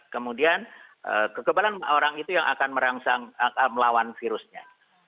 kemudian kekebalan orang itu yang akan merangsang melawan virusnya